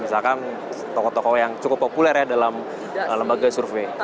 misalkan tokoh tokoh yang cukup populer ya dalam lembaga survei